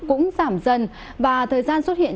cũng giảm dần và thời gian xuất hiện